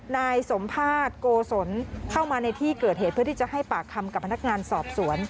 นายสมภาษณ์โกศลเข้ามาในที่เกิดเหตุเพื่อที่จะให้ปากคำกับพนักงานสอบสวน